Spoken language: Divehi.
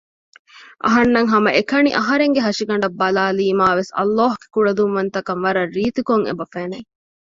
އަހަންނަށް ހަމައެކަނި އަހަރެންގެ ހަށިގަނޑަށް ބަލައިލީމާވެސް ﷲ ގެ ކުޅަދުންވަންތަކަން ވަރަށް ރީތިކޮށް އެބަ ފެނެ